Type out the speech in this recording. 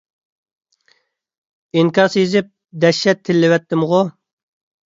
ئىنكاس يېزىپ دەھشەت تىللىۋەتتىمغۇ!